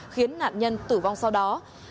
khiến nạn nhân tử vong sau đó